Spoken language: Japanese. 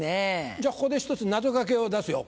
じゃあここで一つ謎掛けを出すよ。